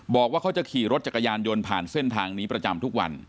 บอกว่าเขาจะขี่รถจักรยานยนต์ผ่านเส้นทางนี้ประจำทุกวัน